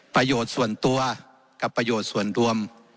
ประโยชน์ส่วนตัวกับประโยชน์ส่วนรวม